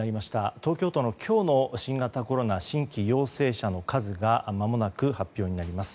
東京都の今日の新型コロナ新規陽性者の数がまもなく発表になります。